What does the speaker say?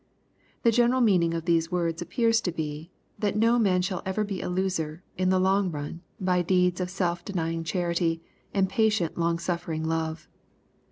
The general meaning of these words appears to be, that no man shall ever be a loser, in the long run, by deeds of self denying charity, and patient long suflering love.